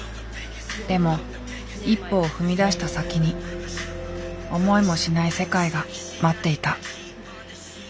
でも一歩を踏み出した先に思いもしない世界が待っていた。